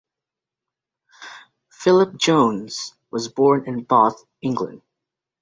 Philip Jones was born in Bath, England.